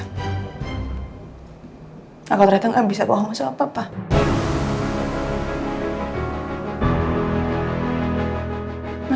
brden pun juga udah lupakan ya